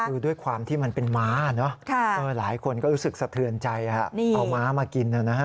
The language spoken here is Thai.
คือด้วยความที่มันเป็นม้าเนอะหลายคนก็รู้สึกสะเทือนใจเอาม้ามากินนะฮะ